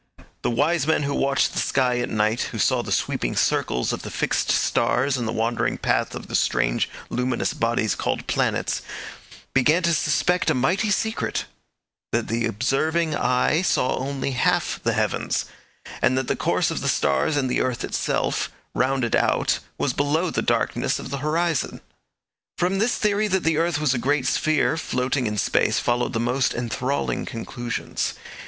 The wise men who watched the sky at night, who saw the sweeping circles of the fixed stars and the wandering path of the strange luminous bodies called planets, began to suspect a mighty secret, that the observing eye saw only half the heavens, and that the course of the stars and the earth itself rounded out was below the darkness of the horizon. From this theory that the earth was a great sphere floating in space followed the most enthralling conclusions.